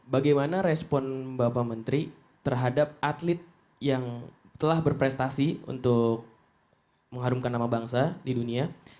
bagaimana respon bapak menteri terhadap atlet yang telah berprestasi untuk mengharumkan nama bangsa di dunia